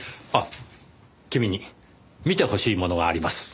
君に見てほしいものがあります。